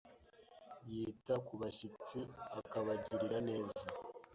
Yita ku bashyitsi akabagirira neza;